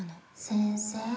先生